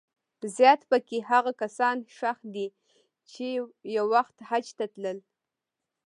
زیات په کې هغه کسان ښخ دي چې یو وخت حج ته تلل.